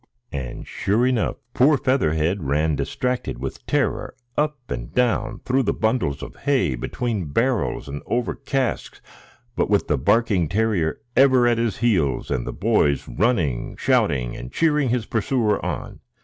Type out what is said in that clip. And, sure enough, poor Featherhead ran distracted with terror up and down, through the bundles of hay, between barrels, and over casks, but with the barking terrier ever at his heels, and the boys running, shouting, and cheering his pursuer on.